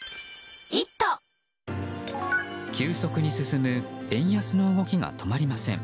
急速に進む円安の動きが止まりません。